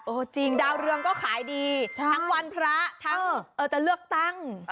จริงดาวเรืองก็ขายดีทั้งวันพระทั้งจะเลือกตั้ง